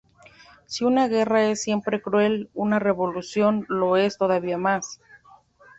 Si una guerra es siempre cruel, una revolución lo es todavía más.